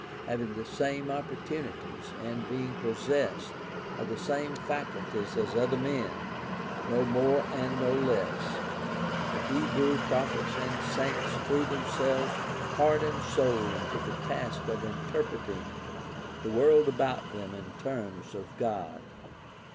Having the same opportunities and being possessed of the same facul ties as other men, no more and no less, the Hebrew prophets and saints threw themselves heart and soul into the task of interpreting the world about them in terms of God.